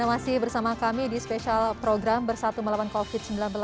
anda masih bersama kami di spesial program bersatu melawan covid sembilan belas